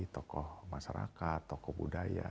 tokoh masyarakat tokoh budaya